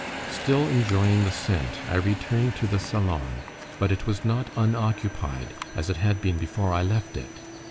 Still enjoying the scent, I returned to the salon, but it was not unoccupied, as it had been before I left it.